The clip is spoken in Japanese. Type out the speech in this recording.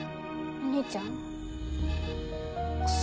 お兄ちゃん！